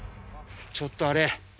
ちょっとあれ。